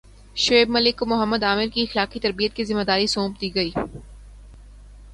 شعیب ملک کو محمد عامر کی اخلاقی تربیت کی ذمہ داری سونپ دی گئی